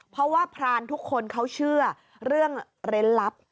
เพราะว่าพรานทุกคนเขาเชื่อเรื่องเร้นลับ